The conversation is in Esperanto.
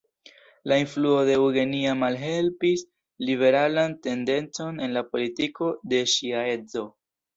La influo de Eugenia malhelpis liberalan tendencon en la politiko de ŝia edzo.